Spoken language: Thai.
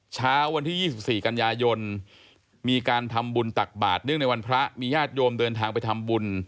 เช้าวันที่๒๔กันยายน